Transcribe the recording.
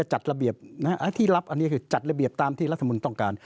หรือที่รับต้องจัดระเบียบตามที่ลัฒกษณ์มูลต้องการ